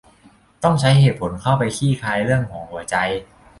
ต้องใช้เหตุผลเข้าไปคลี่คลายเรื่องของหัวใจ